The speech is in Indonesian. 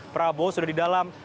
prabowo sudah di dalam